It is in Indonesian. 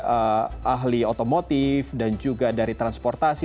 ini akhirnya akan mengajak dari ahli otomotif dan juga dari transportasi